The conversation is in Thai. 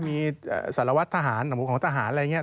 มีสารวัตรทหารหนังบุคลองทหารอะไรอย่างนี้